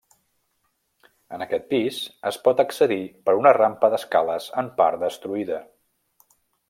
En aquest pis es pot accedir per una rampa d'escales en part destruïda.